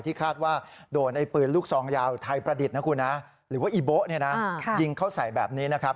ไม่คาดว่าโดนปืนลูกทรองยาวไทยประดิษฐ์หรือว่าอีโบ๊ะยิงเข้าใส่แบบนี้นะครับ